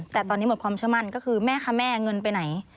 แต่ตอนนี้หมดความเชื่อมั่นก็คือแม่คะแม่เงินไปไหน